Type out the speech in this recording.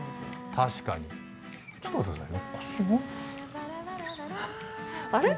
確かにちょっと待ってくださいねあれっ？